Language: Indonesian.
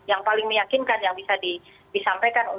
yang paling meyakinkan yang bisa disampaikan